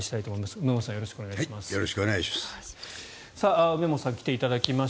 梅本さんよろしくお願いします。